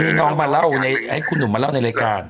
นี่น้องมาเล่าให้คุณหนุ่มมาเล่าในรายการ